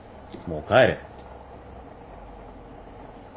もう帰れ。